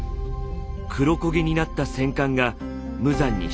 黒焦げになった戦艦が無残に沈んでいます。